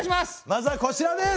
まずはこちらです！